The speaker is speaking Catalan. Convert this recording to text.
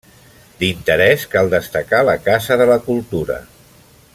D'interès cal destacar la Casa de la Cultura.